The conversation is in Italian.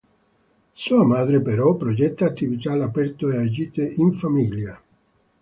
Sua madre, però, progetta attività all'aperto e gite in famiglia.